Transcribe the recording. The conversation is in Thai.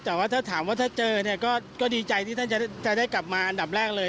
แต่ว่าถ้าถามว่าถ้าเจอเนี่ยก็ดีใจที่ท่านจะได้กลับมาอันดับแรกเลย